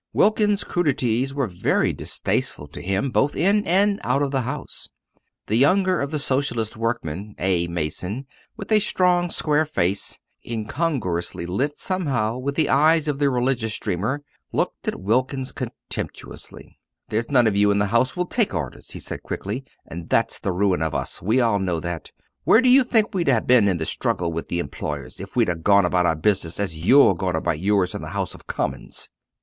Wilkins's crudities were very distasteful to him both in and out of the House. The younger of the Socialist workmen, a mason, with a strong square face, incongruously lit somehow with the eyes of the religious dreamer, looked at Wilkins contemptuously. "There's none of you in the House will take orders," he said quickly, "and that's the ruin of us. We all know that. Where do you think we'd have been in the struggle with the employers, if we'd gone about our business as you're going about yours in the House of Commons?"